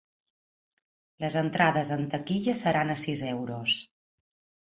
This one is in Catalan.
Les entrades en taquilla seran a sis euros.